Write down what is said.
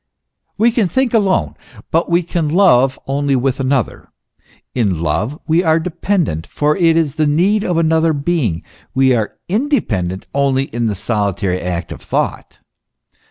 We can think alone, but we can love only with another. In love we are dependent, for it is the need of another being; we are independent only in the solitary act of thought.